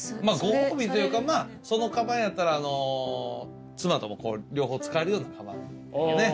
まあご褒美というかそのかばんやったら妻とも両方使えるようなかばん。